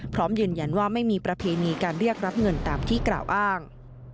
พร้อมยืนยันว่าไม่มีประเพณีการเรียกรับเงินตามที่กล่าวอ้าง